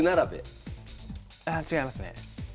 ああ違いますね。